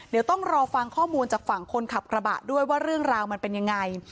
เดี๋ยวต้องรอฟังข้อมูลจากฝั่งคนขับกระบะด้วยว่าเรื่องราวมันเป็นยังไง